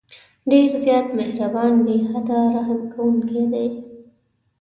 ډېر زیات مهربان، بې حده رحم كوونكى دى.